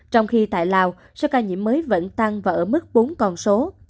trong khi tại lào số ca nhiễm mới vẫn tăng và ở mức bốn con số